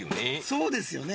そうですよね